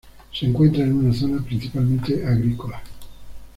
Se encuentra en una zona principalmente agrícola.